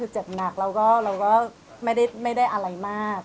เจ็บหนักเราก็ไม่ได้อะไรมาก